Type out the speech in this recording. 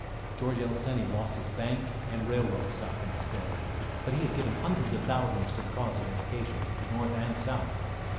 George L. Seney lost his bank and railroad stock in this failure, but he had given hundreds of thousands to the cause of education, North and South.